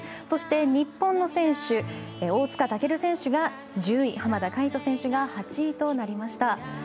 そして日本の選手大塚健選手が１０位浜田海人選手が８位となりました。